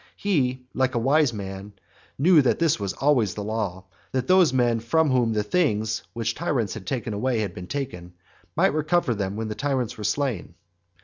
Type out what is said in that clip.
He, like a wise man, knew that this was always the law, that those men from whom the things which tyrants had taken away had been taken, might recover them when the tyrants were slain.